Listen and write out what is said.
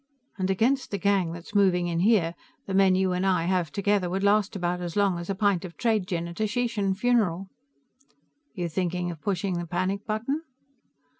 And against the gang that's moving in here, the men you and I have together would last about as long as a pint of trade gin at a Sheshan funeral." "You thinking of pushing the panic button?"